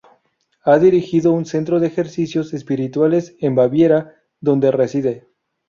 Ha dirigido un centro de ejercicios espirituales en Baviera, donde reside.